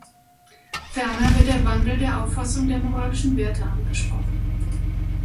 Ferner wird der Wandel der Auffassung der moralischen Werte angesprochen.